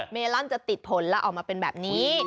เมลอนจะติดผลแล้วออกมาเป็นแบบนี้